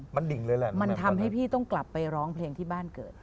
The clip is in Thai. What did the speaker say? มันดิ่งเลยแหละมันทำให้พี่ต้องกลับไปร้องเพลงที่บ้านเกิด